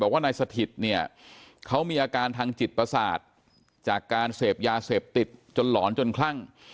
ว่านายสถิตเนี่ยเขามีอาการทางจิตประสาทจากการเสพยาเสพติดจนหลอนจนคลั่ง